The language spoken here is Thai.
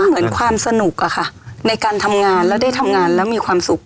เหมือนความสนุกอะค่ะในการทำงานแล้วได้ทำงานแล้วมีความสุข